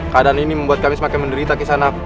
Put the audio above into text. keadaan ini membuat kami semakin menderita kisanak